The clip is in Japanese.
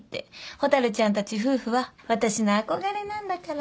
蛍ちゃんたち夫婦は私の憧れなんだから。